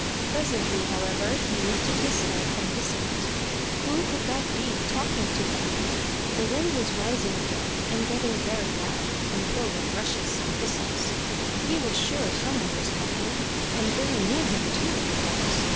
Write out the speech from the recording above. Presently, however, he lifted his head and listened. Who could that be talking to him? The wind was rising again, and getting very loud, and full of rushes and whistles. He was sure some one was talking and very near him, too, it was.